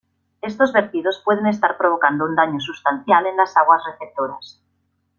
Estos vertidos pueden estar provocando un daño sustancial en las aguas receptoras